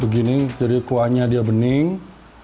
begini jadi kuahnya dia bening ya kan